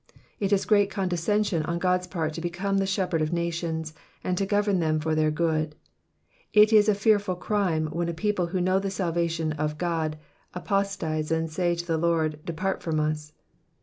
It is great condescension on God's part to become the Shepherd of nations, and to govern them for their good : it is a fearful crime when a people, who know the salvation of God, apostatize and say to the Lord Depart from jus."